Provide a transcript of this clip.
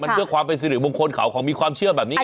มันเกือบความเป็นสิริบงคลเขาของมีความเชื่อแบบนี้ไง